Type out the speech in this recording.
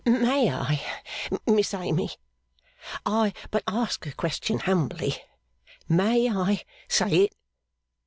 'May I Miss Amy, I but ask the question humbly may I say it?